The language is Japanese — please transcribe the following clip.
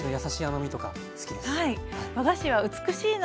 はい。